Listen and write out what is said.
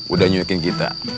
udah nyuyukin kita